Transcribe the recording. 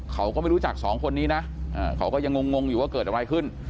เขาก็ไม่รู้จักสองคนนี้นะเขาก็ยังงงอยู่ว่าเกิดอะไรขึ้น